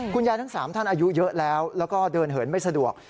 ทั้ง๓ท่านอายุเยอะแล้วแล้วก็เดินเหินไม่สะดวก